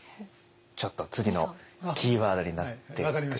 ちょっと次のキーワードになっていく。